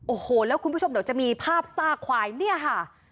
โอ้โหแล้วคุณผู้ชมเดี๋ยวจะมีภาพซากควายเนี่ยค่ะ